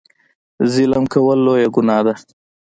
ظلم کول لویه ګناه ده.